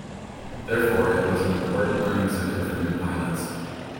Therefore, it was an important learning centre for new pilots.